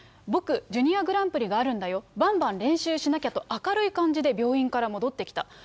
僕、ジュニアグランプリがあるんだよ、ばんばん練習しなきゃと、明るい感じで病院から戻ってきた。